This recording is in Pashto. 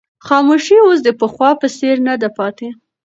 خاموشي اوس د پخوا په څېر نه ده پاتې.